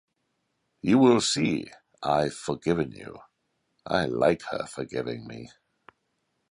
‘You will see, I’ve forgiven you’ — I like her forgiving me.